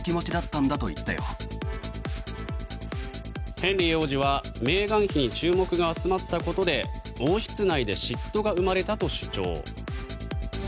ヘンリー王子はメーガン妃に注目が集まったことで王室内で嫉妬が生まれたと主張。